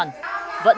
vẫn sẽ còn tiếp diễn